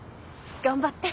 頑張って！